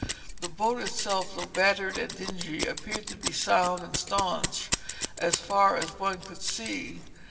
The boat itself though battered and dingy, appeared to be sound and staunch so far as one could see.